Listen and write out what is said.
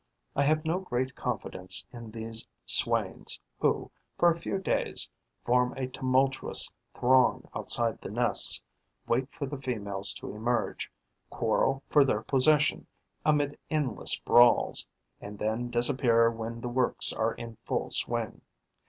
I have no great confidence in these swains who, for a few days, form a tumultuous throng outside the nests, wait for the females to emerge, quarrel for their possession, amid endless brawls, and then disappear when the works are in full swing.